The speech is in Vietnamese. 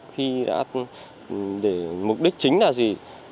khi đã để mục đích chính là gì